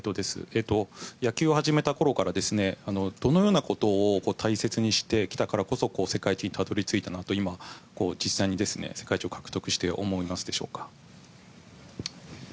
野球を始めた頃からどのようなことを大切にしてきたからこそ世界一にたどり着いたなと実際に世界一を獲得して思うでしょうか。